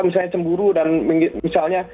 misalnya cemburu dan misalnya